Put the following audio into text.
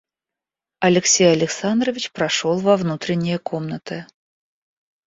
Алексей Александрович прошел во внутренние комнаты.